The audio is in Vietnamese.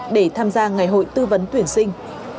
để tham gia ngày hội tư vấn tuyển sinh